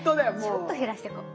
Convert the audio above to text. ちょっと減らしていこう。